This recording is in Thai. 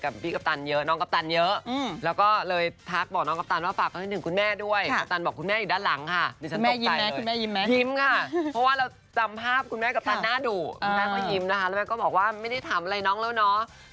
แม่เขาหิมนะคะแล้วแม่ก็บอกว่าไม่ได้ถามอะไรน้องแล้วเนาะ